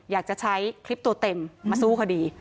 อยากจะใช้คลิปตัวเต็มมาสู้คดี